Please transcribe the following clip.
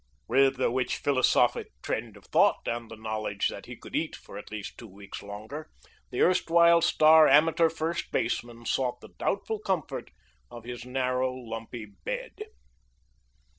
With which philosophic trend of thought, and the knowledge that he could eat for at least two weeks longer, the erstwhile star amateur first baseman sought the doubtful comfort of his narrow, lumpy bed.